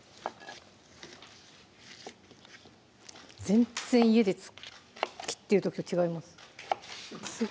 全然家で切ってる時と違います